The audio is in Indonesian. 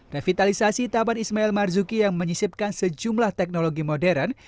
revitalisasi taman ismail marzuki yang menyisipkan sejumlah teknologi modern